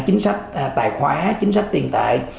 chính sách tài khoá chính sách tiền tệ